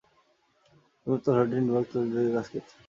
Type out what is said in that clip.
তিনি মূলত হলিউডের নির্বাক চলচ্চিত্র যুগে কাজ করেছেন।